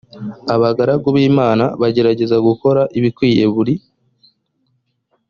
abagaragu b imana bagerageza gukora ibikwiriye buri